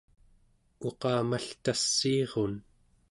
uqamaltassiirun